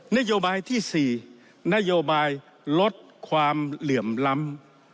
นโยบายที่๔นโยบายลดความเหลื่อมล้ำ